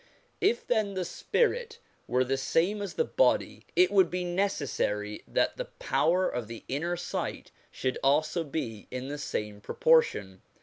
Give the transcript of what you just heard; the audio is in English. If, then, the spirit were the same as the body, it would be necessary that the power of the inner sight should also be in the same proportion.